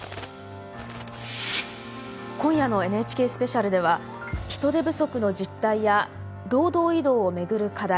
今夜の「ＮＨＫスペシャル」では人手不足の実態や労働移動をめぐる課題